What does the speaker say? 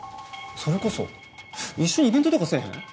それこそ一緒にイベントとかせぇへん？